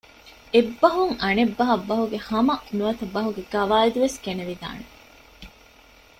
އެއްބަހުން އަނެއް ބަހަށް ބަހުގެހަމަ ނުވަތަ ބަހުގެ ގަވާއިދު ވެސް ގެނެވިދާނެ